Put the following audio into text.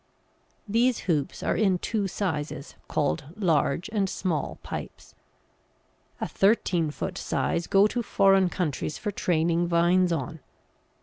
These hoops are in two sizes, called large and small pipes. A thirteen foot size go to foreign countries for training vines on.